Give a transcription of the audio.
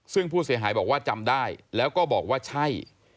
ซึ่งผู้เสียหายบอกว่าจำได้แล้วก็บอกว่าใช่